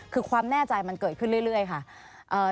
คือความแน่ใจเกิดขึ้นเรื่อยกัน